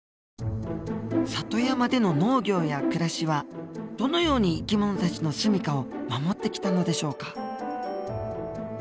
里山での農業や暮らしはどのように生き物たちの住みかを守ってきたのでしょうか？